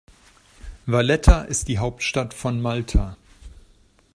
Valletta ist die Hauptstadt von Malta.